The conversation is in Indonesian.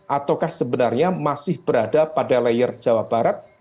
ataukah sebenarnya masih berada pada layer jawa barat